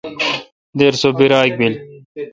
دیر سو بیراگ بل۔